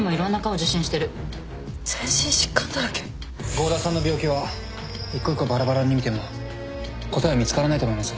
郷田さんの病気は一個一個バラバラに見ても答えは見つからないと思います